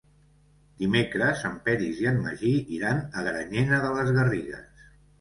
Dimecres en Peris i en Magí iran a Granyena de les Garrigues.